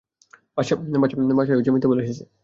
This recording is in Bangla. বাসায় মিথ্যা বলে এসেছে।